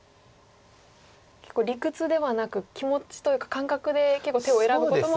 結構理屈ではなく気持ちというか感覚で結構手を選ぶことも蘇九段は多いですか。